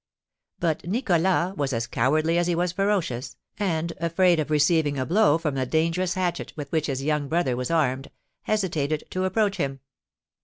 But Nicholas was as cowardly as he was ferocious, and, afraid of receiving a blow from the dangerous hatchet with which his young brother was armed, hesitated to approach him.